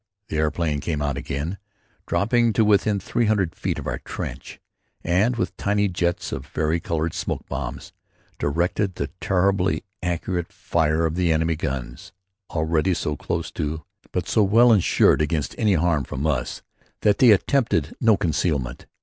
The aeroplane came out again, dropping to within three hundred feet of our trench, and with tiny jets of vari colored smoke bombs, directed the terribly accurate fire of the enemy guns, already so close to, but so well insured against any harm from us that they attempted no concealment.